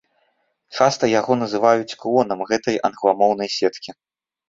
Часта яго называюць клонам гэтай англамоўнай сеткі.